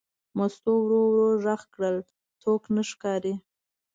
مستو ورو ور غږ کړل: څوک نه ښکاري.